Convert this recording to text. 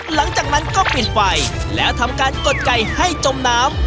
หลังจากนั้นก็ปิดไฟแล้วทำการกดไก่ให้จมน้ำ